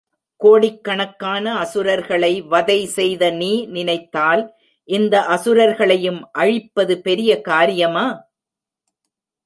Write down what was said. கோடிக் கணக்கான அசுரர்களை வதை செய்த நீ நினைத்தால் இந்த அசுரர்களையும் அழிப்பது பெரிய காரியமா?